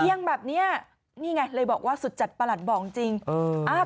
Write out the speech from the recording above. เอียงแบบเนี้ยนี่ไงเลยบอกว่าสุดจัดประหลัดบอกจริงเออ